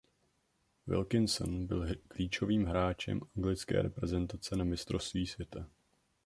Wilkinson byl klíčovým hráčem anglické reprezentace na mistrovství světa.